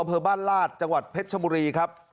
จังหวัดพจบุรีครับ